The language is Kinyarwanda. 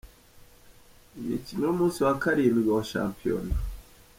Imikino y’umunsi wa karindwi wa Shampiyona